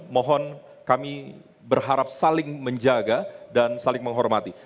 mohon kami berharap saling menjaga dan saling menghormati